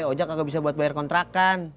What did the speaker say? ojek gak bisa buat bayar kontra kan